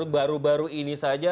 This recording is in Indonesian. baru baru ini saja